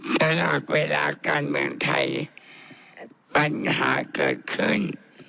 ตลอดเวลาการเมืองไทยปัญหาเกิดขึ้น